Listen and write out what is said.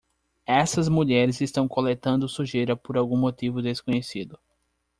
Essas mulheres estão coletando sujeira por algum motivo desconhecido.